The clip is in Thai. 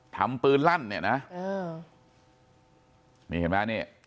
ทำปืนลั่นเนี่ยนะเออนี่เห็นไหมนี่